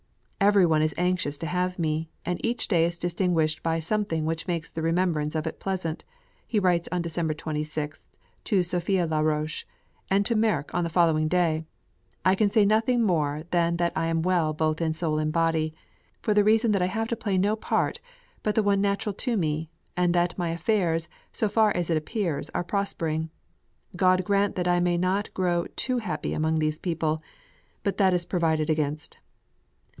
"Every one is anxious to have me, and each day is distinguished by something which makes the remembrance of it pleasant," he writes on December 26 to Sophie la Roche; and to Merck on the following day: "I can say nothing more than that I am well both in soul and body, for the reason that I have to play no part but the one natural to me, and that my affairs, so far as it appears, are prospering. God grant that I may not grow too happy among these people. But that is provided against."